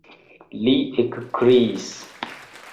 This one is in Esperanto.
li ekkriis.